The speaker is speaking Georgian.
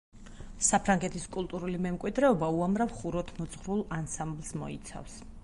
საფრანგეთის კულტურული მემკვიდრეობა უამრავ ხუროთმოძღვრულ ანსამბლს მოიცავს.